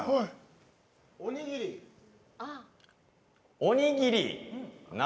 おにぎり。